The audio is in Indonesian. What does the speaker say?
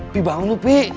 opi bangun opi